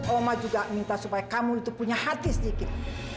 oma juga minta supaya kamu itu punya hati sedikit